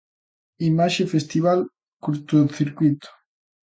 Imaxe: Festival Curtocircuíto.